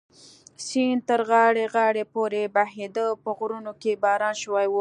سیند تر غاړې غاړې پورې بهېده، په غرونو کې باران شوی و.